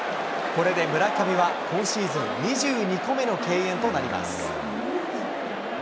これで村上は今シーズン２２個目の敬遠となります。